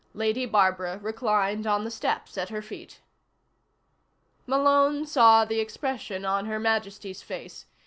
Lady Barbara reclined on the steps at her feet. Malone saw the expression on Her Majesty's face.